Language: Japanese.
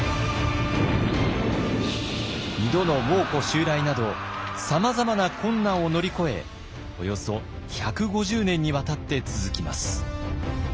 二度の蒙古襲来などさまざまな困難を乗り越えおよそ１５０年にわたって続きます。